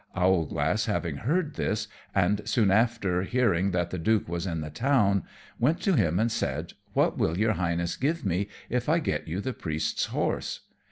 Owlglass having heard this, and soon after hearing that the Duke was in the town, went to him, and said, "What will your Highness give me if I get you the Priest's horse?"